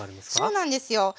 そうなんですよ。